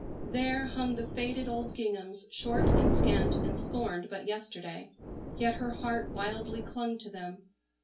There hung the faded old ginghams short and scant, and scorned but yesterday, yet her heart wildly clung to them.